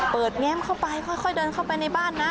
แง้มเข้าไปค่อยเดินเข้าไปในบ้านนะ